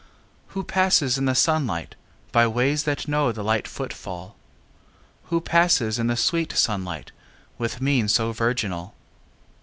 Who passes in the sunlight By ways that know the light footfall? Who passes in the sweet sunlight With mien so virginal?